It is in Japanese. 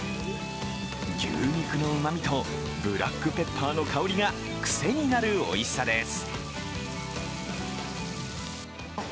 牛肉のうまみとブラックペッパーの香りがクセになるおいしさです。